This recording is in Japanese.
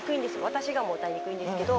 私らも歌いにくいんですけど。